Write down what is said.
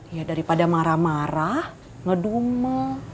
ya daripada marah marah ngedume